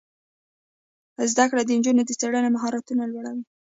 زده کړه د نجونو د څیړنې مهارتونه لوړوي.